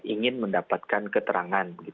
ingin mendapatkan keterangan